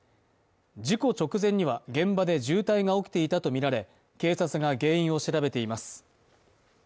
事故直前には現場で渋滞が起きていたとみられ警察が原因を調べています。